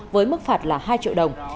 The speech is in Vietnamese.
với mức phạt là hai triệu đồng